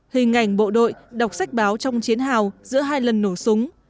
hình ảnh bộ đội đọc sách báo trong chiến hào giữa hai lần nổ súng